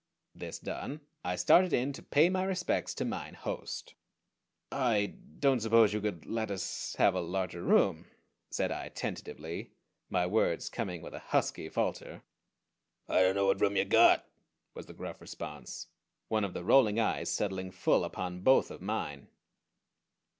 This done, I started in to pay my respects to Mine Host. "I don't suppose you could let us have a larger room," said I tentatively, my words coming with a husky falter. "I dunno what room ya got," was the gruff response, one of the rolling eyes settling full upon both of mine.